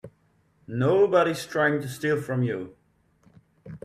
Nobody's trying to steal from you.